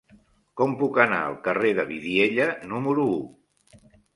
Com puc anar al carrer de Vidiella número u?